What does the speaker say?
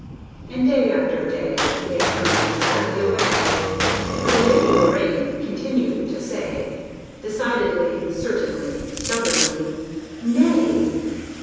And day after day They turned sadly away; For the Lady Lorraine continued to say, Decidedly, certainly, stubbornly, "Nay!"